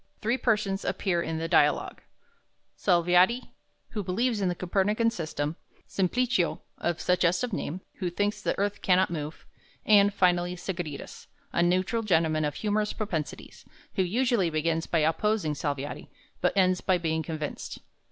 Three persons appear in the "Dialogue": Salviati, who believes in the Copernican system; Simplicio, of suggestive name, who thinks the earth cannot move; and, finally, Sagredus, a neutral gentleman of humorous propensities, who usually begins by opposing Salviati, but ends by being convinced.